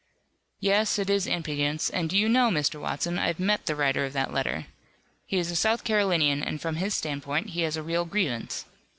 "Yes, it is impudence, and do you know, Mr. Watson, I've met the writer of that letter. He is a South Carolinian, and from his standpoint he has a real grievance.